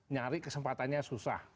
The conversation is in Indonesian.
nyari kesempatannya susah